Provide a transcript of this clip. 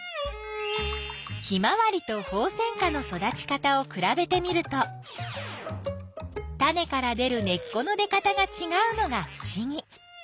ヒマワリとホウセンカの育ち方をくらべてみるとタネから出る根っこの出かたがちがうのがふしぎ。